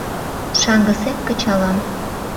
Шаҥгысек кычалам.